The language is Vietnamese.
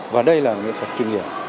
và đây là nghệ thuật chuyên nghiệp